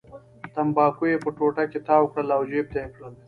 تنباکو یې په ټوټه کې تاو کړل او جېب ته یې کړل.